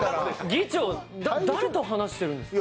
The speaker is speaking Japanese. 議長、誰と話してるんですか？